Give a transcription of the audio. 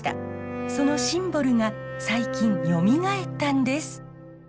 そのシンボルが最近よみがえったんです。